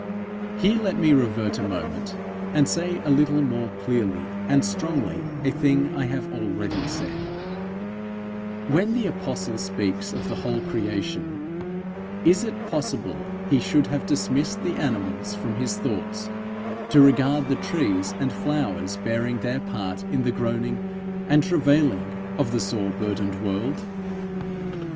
Here let me revert a moment, and say a little more clearly and strongly a thing I have already said: When the apostle speaks of the whole creation, is it possible he should have dismissed the animals from his thoughts, to regard the trees and flowers bearing their part in the groaning and travailing of the sore burdened world?